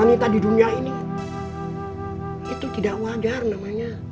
itu tidak wajar namanya